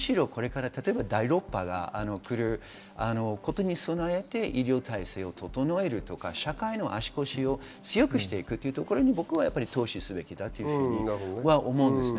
むしろ、例えば第６波が来ることに備えて医療体制を整えるとか社会の足腰を強くしていくというところに投資すべきだと思います。